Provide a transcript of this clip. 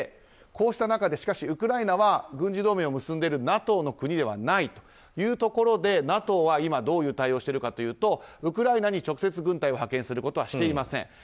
こうした中、ウクライナは軍事同盟を結んでいるＮＡＴＯの国ではないというところでＮＡＴＯは今どういう対応をしているかというとウクライナに直接軍隊を派遣することはしていません。